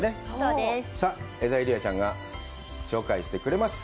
さあ、江田友莉亜ちゃんが紹介してくれます。